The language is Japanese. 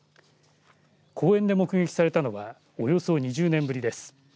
公園で目撃されたのはおよそ２０年ぶりです。